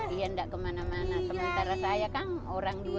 dia tidak kemana mana sementara saya kan orang dua